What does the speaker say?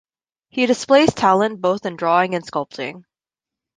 He displays talent both in drawing and sculpting.